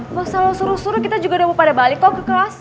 wah kalau suruh suruh kita juga udah mau pada balik kok ke kelas